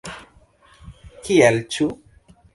Kial, ĉu?